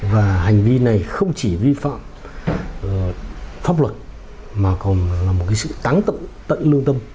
và hành vi này không chỉ vi phạm pháp luật mà còn là một sự táng tận lương tâm